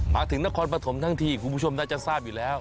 มาถึงนครปฐมทั้งทีคุณผู้ชมน่าจะทราบอยู่แล้ว